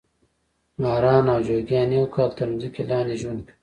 ماران او جوګیان یو کال تر مځکې لاندې ژوند کوي.